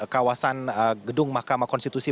kawasan gedung mahkamah konstitusi